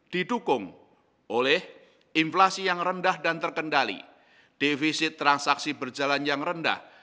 didukung oleh inflasi yang rendah dan terkendali defisit transaksi berjalan yang rendah